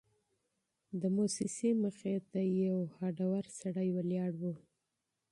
د موسسې مخې ته یو هډور سړی ولاړ و.